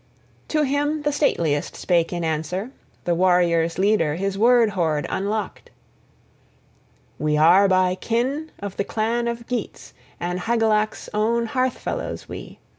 IV To him the stateliest spake in answer; the warriors' leader his word hoard unlocked: "We are by kin of the clan of Geats, and Hygelac's own hearth fellows we.